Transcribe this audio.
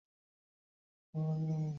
আর সকলে ধর্ম লইয়া ছেলেখেলা করিতেছে মাত্র।